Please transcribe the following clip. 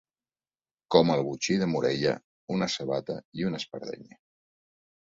Com el botxí de Morella: una sabata i una espardenya.